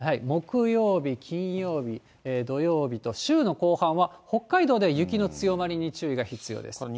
木曜日、金曜日、土曜日と週の後半は、北海道では雪の強まりに注意が必要です。